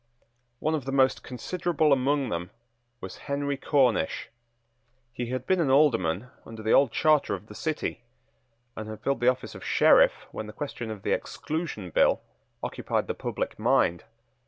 One of the most considerable among them was Henry Cornish. He had been an Alderman under the old charter of the City, and had filled the office of Sheriff when the question of the Exclusion Bill occupied the public mind.